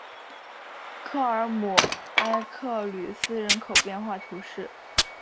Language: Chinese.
科尔姆埃克吕斯人口变化图示